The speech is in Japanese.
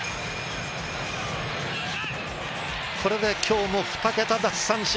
これで今日も２桁奪三振。